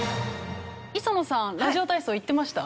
磯野さんラジオ体操行ってました？